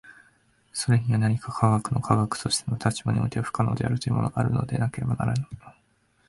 それには何か科学の科学としての立場においては不可能であるというものがあるのでなければならぬ。